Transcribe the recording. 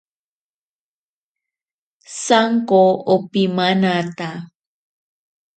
Sanko opimanata.